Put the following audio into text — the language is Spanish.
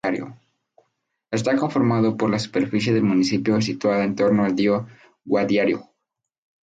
Está conformado por la superficie del municipio situada en torno al río Guadiaro.